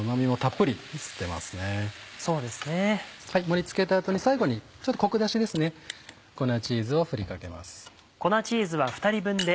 盛り付けた後に最後にちょっとコク出しですね粉チーズをふりかけます。